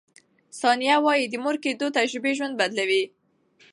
ثانیه وايي، د مور کیدو تجربې ژوند بدلوي.